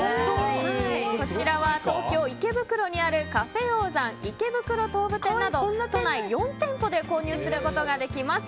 こちらは東京・池袋にあるＣＡＦＥＯＨＺＡＮ池袋東武店など都内４店舗で購入することができます。